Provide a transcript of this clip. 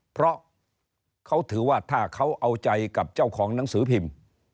เพราะเขาถือว่าถ้าเขาเอาใจกับเจ้าของหนังสือพิมพ์